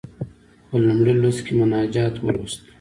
په لومړي لوست کې مناجات ولوست.